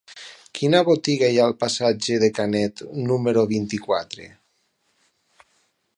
Quina botiga hi ha al passatge de Canet número vint-i-quatre?